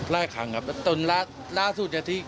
แรกครั้งครั้งล่าสุดที่